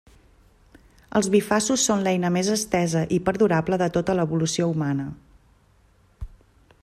Els bifaços són l'eina més estesa i perdurable de tota l'evolució humana.